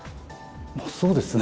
そうですね